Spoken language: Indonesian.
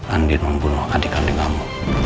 andi membunuh adik adik kamu